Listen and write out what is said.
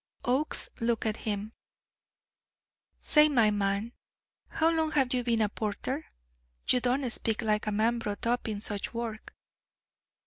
Oakes looked at him: "Say, my man, how long have you been a porter? You don't speak like a man brought up in such work."